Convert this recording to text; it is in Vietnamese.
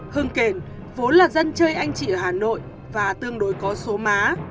hương kèn vốn là dân chơi anh chị ở hà nội và tương đối có số má